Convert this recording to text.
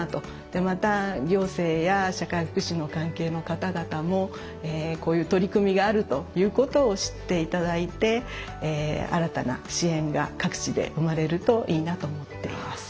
でまた行政や社会福祉の関係の方々もこういう取り組みがあるということを知って頂いて新たな支援が各地で生まれるといいなと思っています。